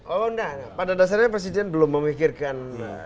oh enggak pada dasarnya presiden belum memikirkan dua ribu sembilan belas